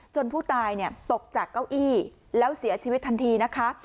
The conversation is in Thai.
ผู้ตายตกจากเก้าอี้แล้วเสียชีวิตทันทีนะคะ